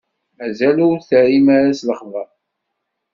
Mazal ur d-terrim ara s lexbaṛ?